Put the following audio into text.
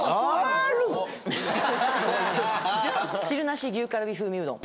汁なし牛カルビ風味うどん